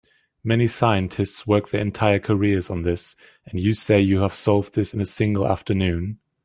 Many scientists work their entire careers on this, and you say you have solved this in a single afternoon?